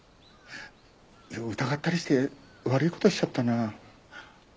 疑ったりして悪い事しちゃったな。